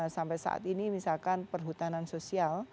sampai saat ini misalkan perhutanan sosial